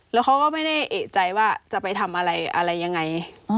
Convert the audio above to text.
แล้วเขาก็ไม่ได้เอกใจว่าจะไปทำอะไรอะไรยังไง